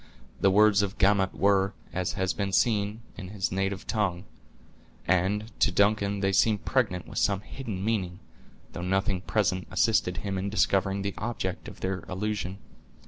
The words of Gamut were, as has been seen, in his native tongue; and to Duncan they seem pregnant with some hidden meaning, though nothing present assisted him in discovering the object of their allusion.